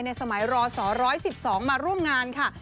สมัยรศ๑๑๒มาร่วมงานค่ะ